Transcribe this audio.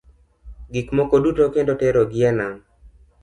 Gik moko duto kendo tero gi e nam.